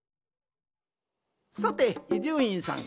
さて伊集院さん。